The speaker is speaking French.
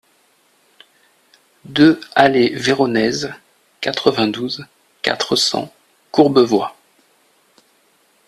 deux allée Véronèse, quatre-vingt-douze, quatre cents, Courbevoie